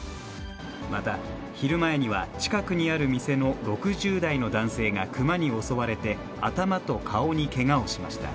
また、昼前には、近くにある店の６０代の男性がクマに襲われて、頭と顔にけがをしました。